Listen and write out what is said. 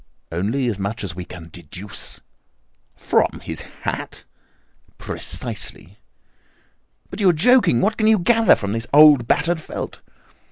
"Only as much as we can deduce." "From his hat?" "Precisely." "But you are joking. What can you gather from this old battered felt?"